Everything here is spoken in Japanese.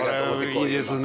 これいいですね。